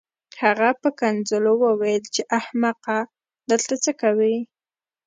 هغه په کنځلو وویل چې احمقه دلته څه کوې